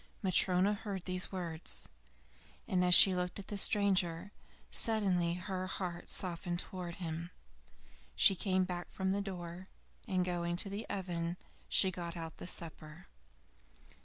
Matryona heard these words, and as she looked at the stranger, suddenly her heart softened towards him. She came back from the door, and going to the oven she got out the supper.